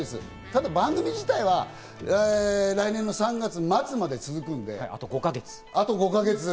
ただ番組自体は、来年の３月末まで続くので、あと５か月。